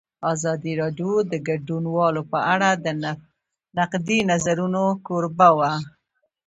ازادي راډیو د کډوال په اړه د نقدي نظرونو کوربه وه.